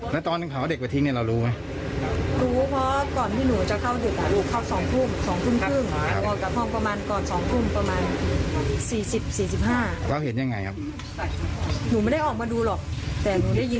แต่ก็พ่อเลี้ยงก็ตี